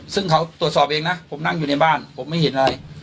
ซึ่งเขาตรวจสอบเองนะผมนั่งอยู่ในบ้านผมไม่เห็นอะไร